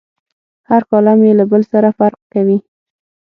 هر کالم یې له بل سره فرق کوي.